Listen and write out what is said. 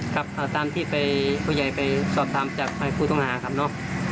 ครับตามที่ไปผู้ใหญ่ไปสอบถามจากผู้ต้องหาครับเนาะ